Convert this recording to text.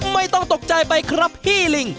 ไม่ต้องตกใจไปครับพี่ลิง